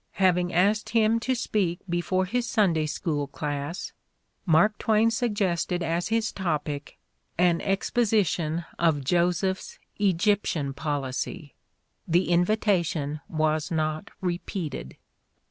having asked him to speak before his Sunday School class, Mark Twain suggested as his topic an exposition of Joseph's Egyptian policy. The invitation was not re peated.